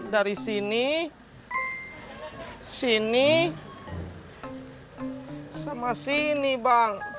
dari sini sini sama sini bang